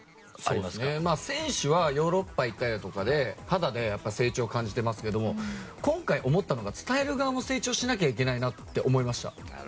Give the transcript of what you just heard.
選手はヨーロッパに行ったりだとかで肌で成長を感じてますけども今回思ったのが伝える側も成長しなきゃいけないなと思いました。